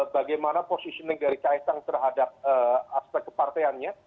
bagaimana positioning dari kaysang terhadap aspek kepartaiannya